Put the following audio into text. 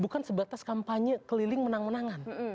bukan sebatas kampanye keliling menang menangan